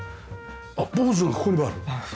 あっＢＯＳＥがここにもある。